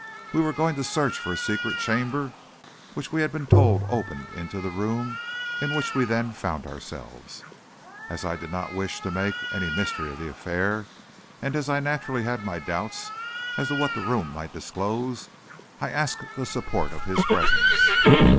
We were going to search for a secret chamber which we had been told opened into the room in which we then found ourselves. As I did not wish to make any mystery of the affair, and as I naturally had my doubts as to what the room might disclose, I asked the support of his presence.